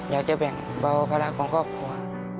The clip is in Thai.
อยากจะแบ่งเบาภาระของครอบครัว